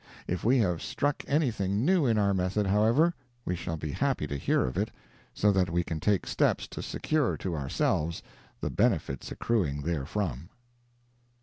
If we have struck anything new in our method, however, we shall be happy to hear of it, so that we can take steps to secure to ourself the benefits accruing therefrom.